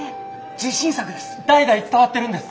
自信作です！